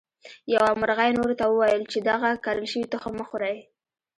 یوه مرغۍ نورو ته وویل چې دغه کرل شوي تخم مه خورئ.